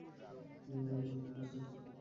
আমি তোকে ফাঁসিয়েছি?